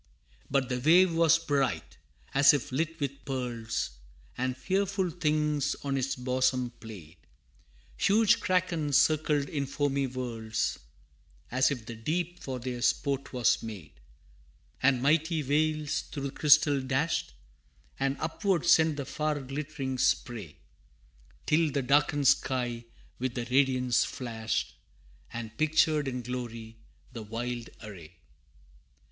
But the wave was bright, as if lit with pearls, And fearful things on its bosom played; Huge crakens circled in foamy whirls, As if the deep for their sport was made, And mighty whales through the crystal dashed, And upward sent the far glittering spray, Till the darkened sky with the radiance flashed, And pictured in glory the wild array.